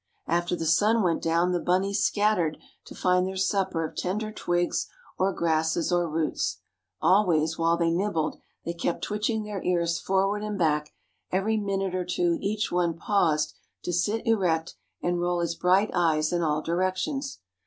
After the sun went down the bunnies scattered to find their supper of tender twigs or grasses or roots. Always, while they nibbled, they kept twitching their ears forward and back. Every minute or two each one paused to sit erect, and roll his bright eyes in all directions.